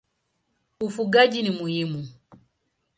Ufugaji ni muhimu.